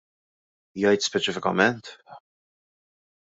Jgħid speċifikament?